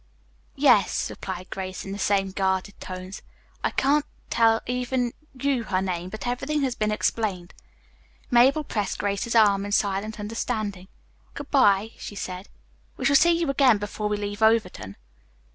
"Yes," replied Grace in the same guarded tones. "I can't tell even you her name, but everything has been explained." Mabel pressed Grace's arm in silent understanding. "Good bye," she said, "we shall see you again before we leave Overton."